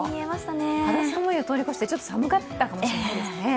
肌寒いを通り越して、ちょっと寒かったかもしれないですね。